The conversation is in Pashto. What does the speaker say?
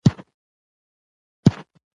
رسوب د افغان کورنیو د دودونو یو مهم عنصر دی.